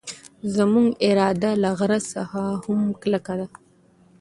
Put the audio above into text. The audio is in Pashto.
زموږ اراده له غره څخه هم کلکه ده.